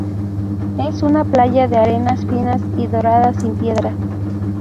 Es una playa de arenas finas y doradas sin piedras.